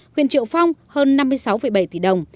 huyện triệu phong hơn năm mươi sáu bảy tỷ đồng